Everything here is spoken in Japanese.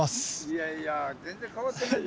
いやいや全然変わってないじゃん！